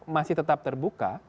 masih tetap terbuka